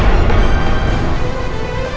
sudah lebih sulit keith